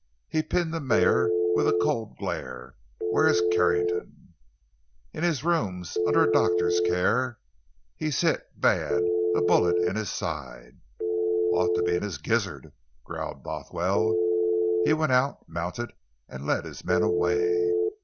He pinned the mayor with a cold glare: "Where's Carrington?" "In his rooms—under a doctor's care. He's hit—bad. A bullet in his side." "Ought to be in his gizzard!" growled Bothwell. He went out, mounted, and led his men away.